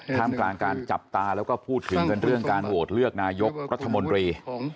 ท่ามกลางการจับตาแล้วก็พูดถึงกันเรื่องการโหวตเลือกนายกรัฐมนตรี